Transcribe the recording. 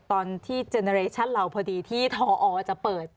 ตอนที่เจเนอเรชั่นเราพอดีที่ทอจะเปิด